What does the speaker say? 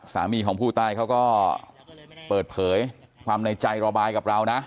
สามีของผู้ตายเขาก็เปิดเผยความในใจระบายกับเรานะ